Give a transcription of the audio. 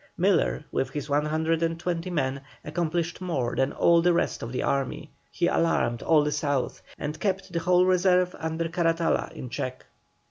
Miller, with his 120 men, accomplished more than all the rest of the army; he alarmed all the South, and kept the whole reserve under Caratala in check.